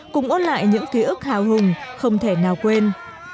cùng ôn lại những ký ức hào hùng không thể nào quên